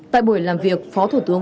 tại buổi làm việc phó thủ tướng